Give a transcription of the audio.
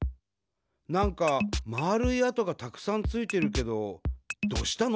なんかまるい跡がたくさんついてるけどどうしたの？